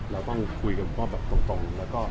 เราต้องคุยกับพ่อแบบตรง